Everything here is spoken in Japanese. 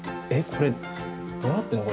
これどうなっているんだ？